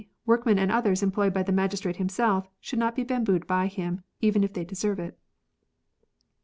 Workmen and others employed by the magistrate himself should not be bambooed by him, even if they deserve it.